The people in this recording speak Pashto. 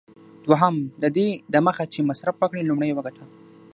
دوهم: ددې دمخه چي مصرف وکړې، لومړی یې وګټه.